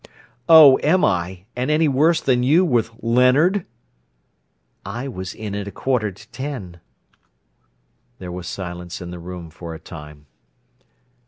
"Oh, am I—and any worse than you with Leonard?" "I was in at a quarter to ten." There was silence in the room for a time.